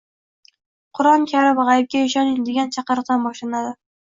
Qur’oni karim, g’aybga ishoning, degan chaqiriqdan boshlanadi.